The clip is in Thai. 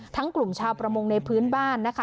กลุ่มชาวประมงในพื้นบ้านนะคะ